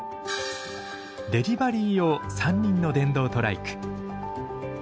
デリバリー用３輪の電動トライク。